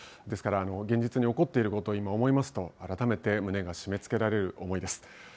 ですから、現実に起こっていることを思いますと、改めて胸が締め付けられる思いです。